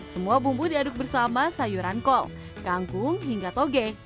semua bumbu diaduk bersama sayuran kol kangkung hingga toge